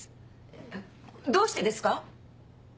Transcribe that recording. えっどうしてですか？